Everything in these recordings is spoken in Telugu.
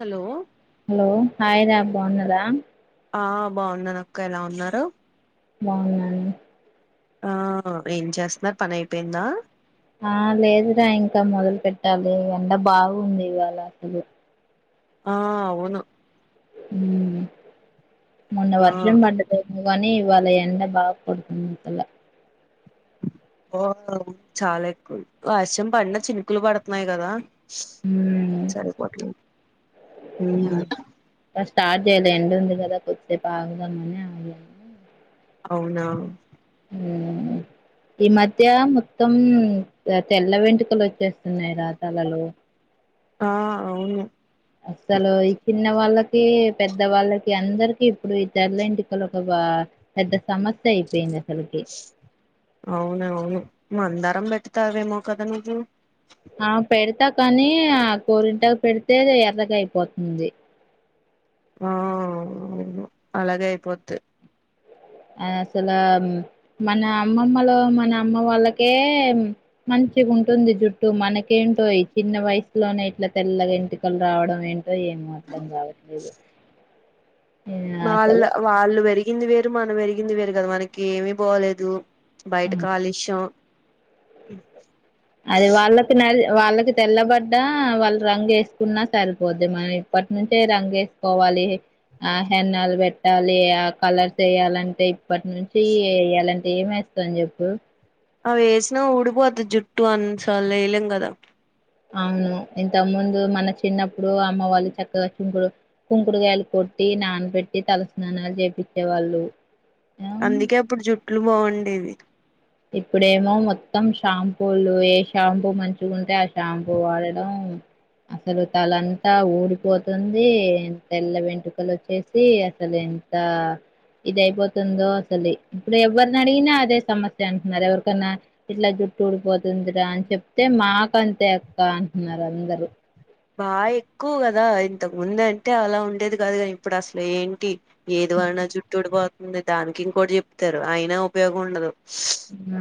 హలో హలో హాయ్ రా బాగున్నారా ఆ బాగున్నాను అక్క ఎలా ఉన్నారు బాగున్నాను ఆ ఏం చేస్తున్నారు పని అయిపోయిందా ఆ లేదురా ఇంకా మొదలు పెట్టాలి ఎండ బాగుంది ఇవాళ అసలు ఆ అవును ఉ మోన్న ఆ వర్షం పడ్డది నువ్వు అని ఇవాళ ఎండ బాగా కొడుతుంది తల్లా ఓ చాలా ఎక్కువ వర్షం పడిన చినుకులు పడుతున్నాయి కదా ఉమ్ సరేపోవట్లే హు ఆ, ఇంకా స్టార్ట్ చేయలే ఎండ ఉంది కదా కొద్దిసేపు ఆగుదామని ఆగాను అవునా ఊ ఈ మధ్య మొత్తం తెల్ల వెంటుకలు వచ్చేస్తున్నాయి రా తలలో ఆ అవును అసలు ఈ చిన్న వాళ్ళకు తే పెద్ద వాళ్ళకి అందరికి ఇప్పుడు ఈ తెల్ల వెంటికలు ఒక పెద్ద సమస్య అయిపోయింది అసలుకి అవును అవును మందారం పెడతావేమో కదా నువ్వు ఆ పెడతా కానీ ఆ గోరింటకు పెడితే ఆది ఎర్రగ అయిపోతుంది ఆ అవును అలాగే అయిపొద్ది అసలు మన అమ్మమ్మలు మన అమ్మ వాళ్ళకే మంచి చిగా ఉంటుంది జుట్టు మనకేంటో ఈ వయసులోనే ఇట్లా తెల్లగా వెంటికలు రావడం ఏంటో ఏమో అర్థం కావట్లేదు వాళ్ళ అసలు వాళ్ళు పెరిగింది వేరు మనం పెరిగింది వేరు కదా మనకి ఏమి బాలేదు బయట ఆ కాలుష్యం అది వాళ్ళకి న వాళ్ళకి తెల్లబడ్డా వాళ్ళు రంగు వేసుకున్నా సరిపోద్ది మనం ఇప్పటి నుంచే రంగు వేసుకోవాలి. ఆ హేన్నాలు పెట్టాలి ఆ కలర్స్ వేయాలంటే ఇప్పటి నుంచి వేయాలంటే ఏమి స్తాం చెప్పు అవి వేసినా ఊడిపోద్ది జుట్టు అన్ని సార్లు వేయలేం కదా అవును ఇంతకు ముందు మన చిన్నప్పుడు అమ్మ వాళ్ళు చక్కగా కుంకుడు కుంకుడుగాయాలు కోట్ ట్టి నానబెట్టి తలస్నానాలు చేపిచ్చేవాళ్ళు అందుకే అప్పుడు జుట్లు బాగుండేవి ఇప్పుడేమో మొత్తం షాంపూలు ఏ షాంపూ మంచిగుంటే ఆ షాంపూ వాడడం అసలు తల అంతా ఊడిపోతుంది తెల్ల వెంటుకలు వచ్చేసి అసలే అంత ఇది అయిపోతుందో అసలు ఇప్పుడు ఎవ్వరిని అడిగినా అదే సమస్య అంతే అంటున్నారు ఎవరికన్న ఇట్లా జుట్టు ఊడిపోతుందిరా అని చెప్తే మాకు అంతే అక్క అంటున్నారు అందరు బాగా ఎక్కువ కదా ఇంతకు ముందు అంటే అలా ఉండేది కాదు కాని ఇప్పుడు అసలు ఏంటి ఏది వాడిన జుట్టు ఉడిపోతుంది దానికి ఇంకోటి చెప్తారు అయినా ఉపయోగం ఉండదు ఊ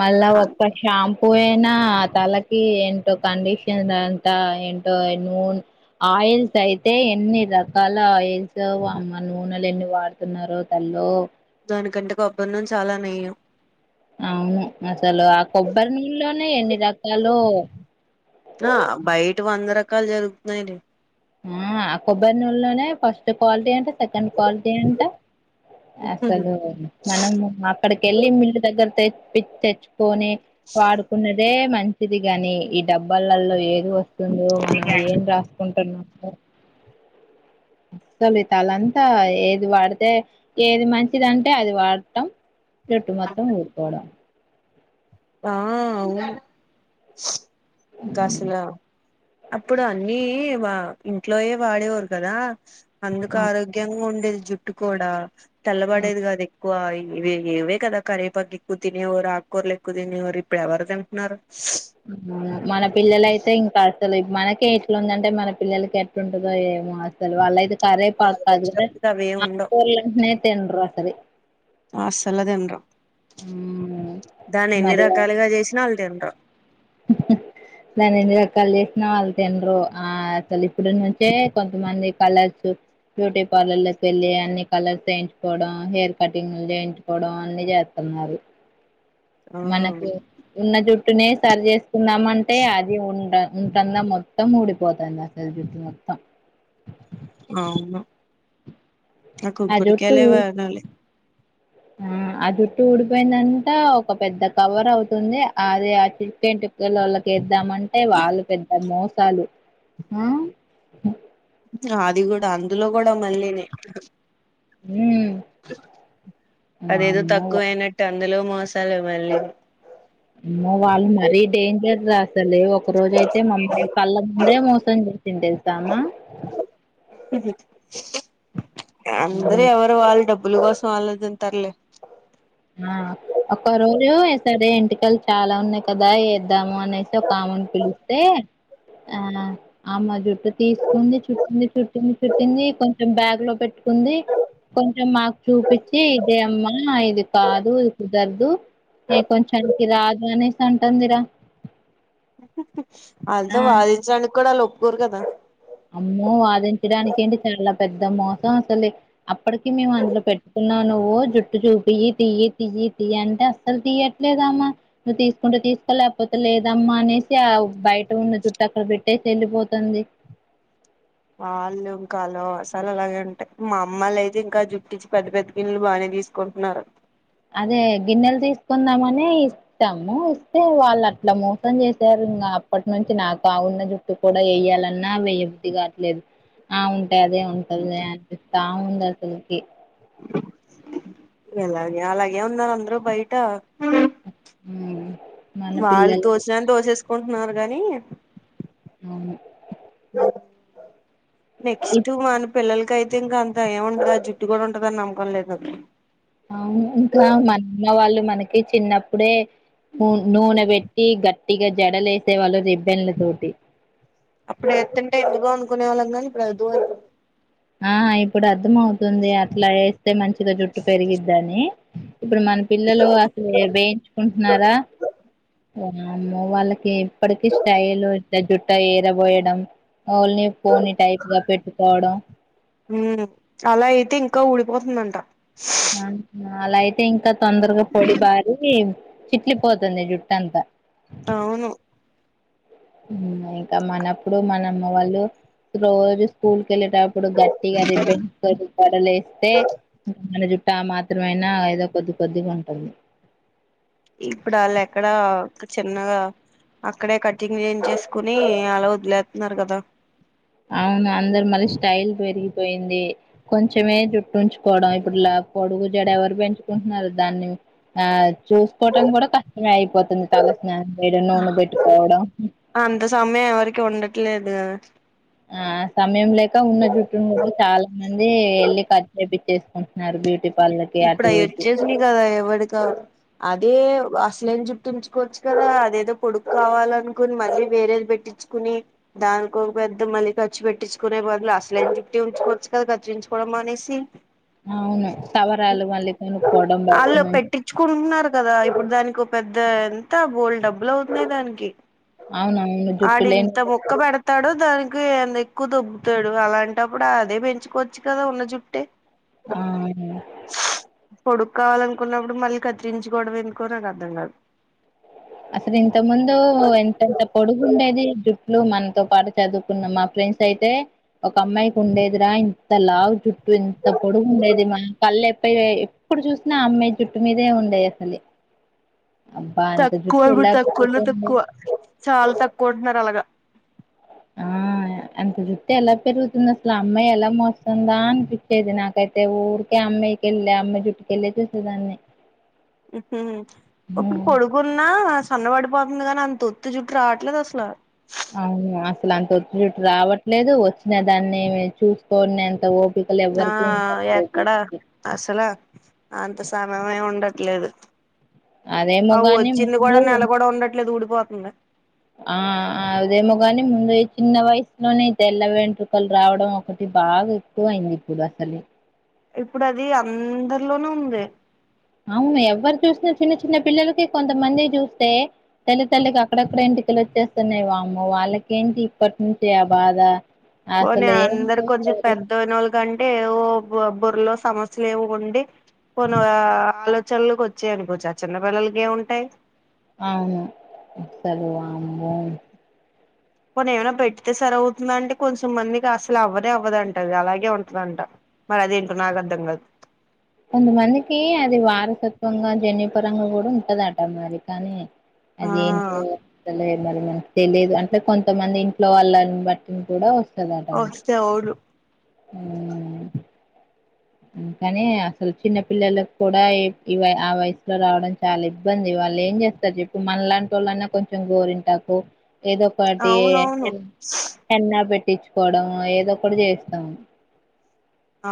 మళ్ళా ఒక్క షాంపూ పోయినా తలకి ఏంటో కండిషన్ అంతా ఏంటో నూనె ఆ ఆయిల్స్ అయితే ఎన్ని రకాల అయిల్సొ వామ్మో నూనెలు ఎన్ని వాడుతున్నారో తల్లో దాని కంటే కొబ్బరి నూనె చాలా మేలు అవును మ అసలు ఆ కొబ్బరి నూనే లోనే ఎన్ని రకాలో కాల్ జరుపుతున్నారా ఏంటి ఆ ఆ కొబ్బరి నూలలోనే ఫస్ట్ క్వాలిటీ అంట సెకండ్ క్వాలిటీ అంట అసలు మనం అక్కడికి వెళ్ళి మిల్లు దగ్గర తె పిచ్చి తెచ్చుకొని వాడుకున్నదే మంచిది గాని ఈ డబ్బలలో ఏదో వస్తు మనం ఏం రాసుకుంటున్నాం అ అసలు తలంతా ఏది వాడితే ఏది మంచిది అంటే అది వాడటం జుట్టు మొత్తం ఓడిపోవడం వా కాసలా అప్పుడు అన్నీ వా ఇంట్లోయ వాడేవారు కదా అందుకు ఆరోగ్యంగా ఉండేది జుట్టు కూడా తెల్లబడేది కాది ఎక్కువ ఇవి ఏవే కదా కరివేపాకు ఎక్కువ తినేవారు ఆకుకూరలు ఎక్కువ తినేవారు ఇప్పుడు ఎవరు తింటున్నారు ఉమ్ మన పిల్లల అయితే ఇంకా అసలు మనకి ఏట్లా ఉందంటే మన పిల్లలకి ఎట్లుంటందో ఏమో అసలు వాళ్లతే కరివేపాకు గాలికి వచ్చినప్పుడు అవి ఏం [unintelligible] ఉండవు ఆకుకూరలే తింట లేరు అసలు తినరు మ్మ్ దాన్ని ఎన్ని మరి రకాలుగా చేసినా వాళ్ళు తినరు దాన్ని ఎన్ని రకాలు చేసినా వాళ్ళు తినరు ఆ అసలు ఇప్పుటి నుంచే కొంతమంది కలొచ్చు బ్యూటీ పార్లర్ లోకి వెళ్ళి అన్ని కలర్స్ వేయించుకోవడం హెయిర్ కటింగ్ వేయించుకోవడం అన్ని చేస్తారు మరి ఆ మనకు ఉన్న జుట్టునే సరి చేసుకుందామ అంటే అది ఉండ ఉంటన్నా మొత్తం ఊడిపోతుంది అసలు జుట్టు మొత్తం అవునా ఆ కు కుడుకాలే వనాల ఆ ఆ చుట్టు ఊడిపోయిందంతా ఒక పెద్ద కవర్ అవుతుంది అది ఆ చికెన్లకు ముక్కలళకిద్దామంటే వాళ్ళు పెద్ద మోసాలు ఉ అది కూడా అందులో కూడా మళ్ళీనే ఉమ్ అదేదో వామ్మో తక్కువేనట్ట అందులో మోసాలు మళ్ళీ అమ్మ వాళ్ళు మరీ డేంజర్ రా అసలే ఒక రోజు అయితే మమ్మల్ని కళ్ళ ముందే మోసం చేసింది తెలుసామా హు్ అందరు ఉమ్, ఎవరు వాళ్ళు డబ్బుల కోసం వాళ్ళ ఆలోచిస్తారు లే ఆ ఒక్క రోజు సరే ఇంటికలు చాలా ఉన్నాయి కదా వద్దాము అనేసి ఒక ఆమన్ పిల్ అయితే ఆ ఆమె జుట్టటు తీసుకుంది చుట్టింది చుట్టింది చుట్టింది కొంచెం బ్యాగ్ లో పెట్టు కుంది కొంచెం మాకు చూపించి ఇదే అమ్మా ఇది కాదు కుదరదు ఏ కొంచానికి రాదు అనేసి ఉంటుందిరా అంత వాళ్ళు వాదించడానికి కూడా వాళ్ళ ఒప్పుకోరు కదా అమ్మో వాదించడానికి ఏంటి చాలా పెద్ద మోసం అసలే అప్పటికి మేము అందులో పెట్టుకు న్నా నువ్వు జుట్టు చూపి తీయ తియి తీయ అంటే అస్సలు తీయట్లేదామ్మా నువ్వు తీసుకుంటే తీసుకోలేకపోతే లేదమ్మా అనేసి ఆ బయట ఉన్న చుట్టటు అక్కడ పెట్టేసి వెళ్లిపోతుంది వాళ్ళు ఇంకాలో అసలు అలాగే ఉంటాయి మా అమ్మలు అయితే ఇంకా జుట్టించి పెద్ద పెద్ద గిన్నెలు బాగానే తీసుకుంటున్నారు అదే గిన్నెలు తీసుకుందామని ఇస్తాము ఇస్తే వాళ్ళు అట్లా మోసం చేసారు ఇం అప్పటి నుంచి నా కా ఉన్న జుట్టు కూడా వేయ్యాలన్నా వ్యది కావట్లేదు ఆవును టదే ఉంటాదిలే అన్పిస్తా ఉంది అసలుకి ఎలాగే అలాగే ఉన్నారు అందరూ బయట ఊ వాళ్ళు తోచినన్ని తోచేసుకుంటున్నారు గానీ అవును ఇప్ నెక్స్ట్ మను పిల్లలకైతే ఇంకా అంత ఏం ఉంటది ఆ జుట్టు కూడా ఉంటదని నమ్మకం లేదు అవును ఇంకా మా [unintelligible] వాళ్ళు మనకి చిన్నప్పుడే నూ నూనె పెట్టి గట్టిగా జడలు ఏసేవాళ్ళు రిబ్బెన్ల తోటి అప్పుడే ఎత్తుంటే ఎందుగో అనుకునే వాళ్ళం కానీ ఇప్పుడు [inaudible] ఆ ఇప్పుడు అర్ధం అవుతుంది అట్లా ఏస్తే మంచిగా జుట్టు పెరిగిద్దని ఇప్పుడు మన పిల్లలు అసలు వేయించుకుంటున్నారా [inaudible] వాళ్ళకి ఇప్పడికి స్టయిలు ద్ద జుట్టవి ఇరబోయడం ఓనిలీ పోనీ టైప్ గా పెట్టుకోవడం ఊ అలా అయితే ఇంకా ఊడిపోతుందంట అలా అయితే ఇంకా తొందరగా పొడిబారి చిట్లి పోతుంది జుట్టంతా అవును ఉమ్ ఇంకా మనప్పుడు మన అమ్మ వాళ్ళు రోజూ స్కూల్ కెళ్ళేటప్పుడు గట్టిగా రిబ్బెన్స్ తోటి [inaudible] ఏస్తే [inaudible] టా మాత్రమైనా ఏదో కొద్ది కొద్దిగా ఉంటుంది ఇప్పుడు ఆళ్ళు ఎక్కడా చిన్నగా అక్కడే కటింగ్ చేయించేసుకొని అలా వదిలేత్తున్నారు కదా అవును అందురూ మళ్ళీ స్టైల్ పెరిగిపోయింది కొంచమే జుట్టుంచుకోవడం ఇప్పుడు లా పొడుగు జడ ఎవరు పెంచుకుంటున్నారు దాన్ని ఆ చూసుకోవటం కూడా కష్టమే అయిపోతుంది తల స్నానం చేయడం నూనె పెట్టుకోవడం అమ్మే ఎవరికీ ఉండట్లేదు ఆ సమయం లేక ఉన్న జుట్టును కూడా చాలా మంది ఎళ్ళి కట్ చేపి చేసుకుంటున్నారు బ్యూటి ఇప్పుడు అయి వచ్చేసినవి కదా ఎవడికా అదే అసలైన జుట్టు ఉంచుకోవచ్చు కదా అదేదో పొడుగు కావాలనుకొని మళ్ళీ వేరేది పెట్టిచ్చుకుని దానికోక పెద్ద ఖర్చు పెట్టిచ్చుకునే బదులు అసలైన జుట్టే ఉంచుకోవచ్చు కత్తిరించుకోవడం మానేసి అవును సవరా ఆళ్ళు పెట్టిచ్చుకుంటున్నారు కదా ఇప్పుడు దానికొ పెద్ద ఎంత బోలెడు డబ్బులు అవుతున్నాయి దానికి అవునవును జుట్టు ఆడు లేని ఇంత ముక్క పెడతాడు దానికి గ్గు ఎంత ఎక్కువ దొబ్బతాడు అలాంటప్పుడు అదే పెంచుకోవచ్చు కదా ఉన్న జుట్టే అవును పొడుగు కావాలనుకున్నప్పుడు మళ్ళీ కత్తిరించుకోవడం ఎందుకో నాకు అర్థం కాదు పొడుగు ఉండేది జుట్లు మనతో పాటు చదువుకున్న మా ఫ్రెండ్స్ అయితే ఒక అమ్మాయికి ఉండేదిరా ఇంత లావు జుట్టు ఇంత పొడుగు ఉండేది మా కళ్ళు ఎప్ప ఎప్పుడు చూసినా ఆ అమ్మాయి జుట్టు మీ దే ఉండేది అసలే అబ్బా ఎంత జు కో కూడా తక్కువ లో తక్కువ చాలా తక్కువ ఉంటున్నారు అలాగా ఆ అంత జుట్టు ఎలా పెరుగుతుంది అసలు ఆ అమ్మాయి ఎలా మోస్తుందా అనిపిచ్చేది నాకైతే ఊరికే అమ్మయికెళ్ళి దమెనే చుట్టుకెళ్ళే చూసేదాన్ని మ్మ్ఉహ్మ్ ఇప్పుడు హ్మ్. పొడుకున్న సన్నబడి పోతుంది కానీ అంత వొత్తి జుట్టు రావట్లేదు అసలు అవును అసలు అంత వొత్తి జుట్టు రావట్లేదు వచ్చిన దాన్నేమి చూసుకోని అంత ఓ ఆ ఎక్కడా అసలా అంత సమయమే ఉండ లేదు అ అదేమోగాని వచ్చింది కూడా ముందు నెల కూడా ఉండట్లేదు ఊడిపోతుంది ఆ అదేమోగాని ముందు ఈ చిన్న వయసులోనే తెల్ల వెంట్రుకలు రావడం ఒకటి బాగా ఎక్కువైయింది ఇప్పుడు అసలే ఇప్పుడు అది అందరిలోనూ ఉంది అవును ఎవరు చూసిన చిన్న చిన్న పిల్లలకి కొంతమందికి చూస్తే తెల్ల తెల్లగా అక్కడక్కడ ఎం ట్రుకలు వచ్చేస్తున్నాయి వామ్మో వాళ్ళకేంటి ఇప్పటినుంచే ఆ బాధ పోని అసలు ఏం అందరు కొంచెం చేస్తారు పెద్దయినోళ్ళ కంటే ఓ బుర్రలో సమస్యలు ఏవో ఉండి కొన్ని ఆలో చనలకి వచ్చాయనుకోచ్చు ఆ చిన్నపిల్లలకి ఏముంటాయి అవును అసలు వామో పొని ఏమైనా పెడితే సరి అవుతుందంటే కొంచెం మందికి అసలు అవ్వదే అవ్వదంట అది అలాగే ఉంటదంట మరి అదేంటో నాకు అర్థం కాదు కొంతమందికి అది వారసత్వంగా జన్యపరంగా కూడా ఉంటదట మరి కానీ ఆ అదేంటో అసలే మరి మనకు తెలిదు అంటే కొంతమంది ఇంట్లో వాళ్ళని బట్టిని కూడా వ వస్తాయ్ అవును ఉమ్మ్ ఉమ్మ్ కాని అసలు చిన్న పిల్లలకు కూడా ఈ ఆ వయసులో రావడం చాలా ఇబ్బందిగా వాళ్ళేం చేస్తారు చెప్పు మనలాంటి వొళ్ళన్నా కొంచెం గోరింటాకు ఏదో ఒకటి అవునవును ఎన్న పె ట్టించుకోవడం ఏదో కూడా చేస్తాం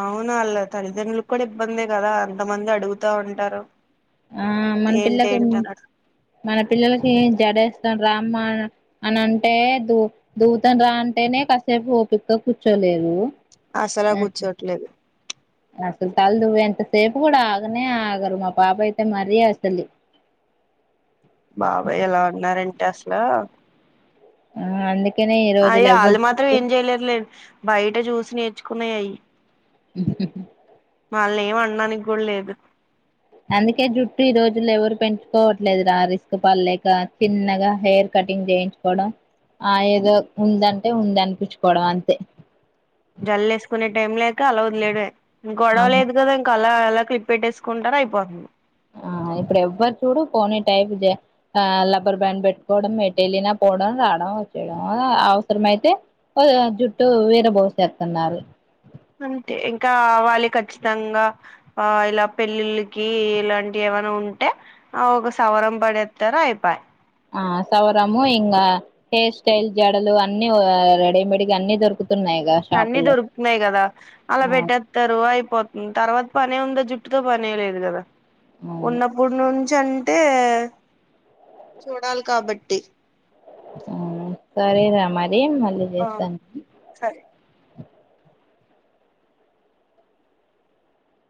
అవునా అళ్ళ తల్లిదండ్రులకు కూడా ఇబ్బందే కదా అంతమంది అడుగుతా ఉంటారు ఆ మన ఏంటి పిల్లకి ఏంటి అని మన పిల్లలకి జడ ఎ స్తాను రామా అని అంటే దు దూవుతనురా అంటేనే కాసేపు ఓపికతో కూర్చోలే అసల కూర్చోట్లేదు అసలు తలదువ్వే అంతసేపు కూడా ఆగనే ఆగరు మా పాప అయితే మరీ అసలు బాబాయ్ ఎలా ఉన్నారంటే అసలు ఆ అందు అయి అళ్ళు మాత్రం ఏం చెయలేరులేండి బయట చూసి నేర్చుకున్నాయి అయి వాళ్లని ఏం అనడానికి కూడా లేదు అందుకే జుట్టు ఈరోజులో ఎవరు పెంచుకోవట్లేదురా ఆరిస్క్ పడలేక చిన్నగా హెయిర్ కటింగ్ చేయించుకోవడం ఆ ఏదో ఉందంటే ఉంది అనిపిచుకోవడం అంతే జల్లేసుకునే టైం లేక అలా వదిలేయడమే ఇం అవును గొడవలేదు కదా ఇంక అలా అలా క్లిప్ పెట్టేసుకుంటారు అయిపోతుంది మ్మ్ ఇప్పుడు ఎవ్వరు చూడు పోనీ టైప్ లబ్బర్ బ్యాండ్ పెట్టుకోవడం ఎట్టేలినా పోవడం రావడం ఓకేగా అవసరమయితే అది ఆ జుట్టు విరబోసేస్తున్నారు అంతే ఇంకా వాళ్ళి ఖచ్చితంగా ఆ ఇలా పెళ్ళిళ్ళకి ఇలాంటి ఏమన్నా ఉంటే ఆ ఒక సవరం పడేత్తారు అయిపాయ్ ఆ సౌరము ఇకా హెయిర్ స్టైల్ జడలు అన్ని ఆ రెడిమేడ్ అన్ని దొరుకుతు అన్ని దొరుకుతున్నాయి కదా అలా ఆ పెట్టేస్తారు అయిపోతుంది తర్వాత పనే ఉందా జుట్టు తో పని ఏం లేదు కదా అవును ఉన్నప్పుడు నుంచి చి అంటే చూడాలి కాబట్టి అవునా సరే రా మరి మళ్ళీ ఆ చేస్తాను సరే